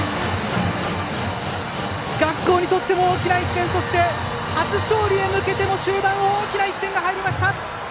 学校にとっても大きな１点そして初勝利へ向けても終盤、大きな１点が入りました。